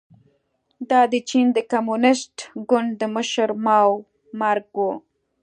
دا د چین د کمونېست ګوند د مشر ماوو مرګ و.